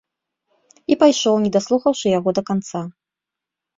І пайшоў, не даслухаўшы яго да канца.